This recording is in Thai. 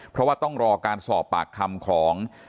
เพราะว่าต้องรอการสอบปากคำของ